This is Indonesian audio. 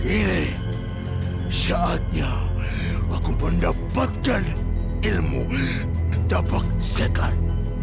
ini saatnya aku mendapatkan ilmu dapat setan